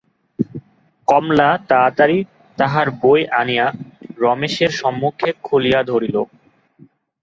কমলা তাড়াতাড়ি তাহার বই আনিয়া রমেশের সম্মুখে খুলিয়া ধরিল।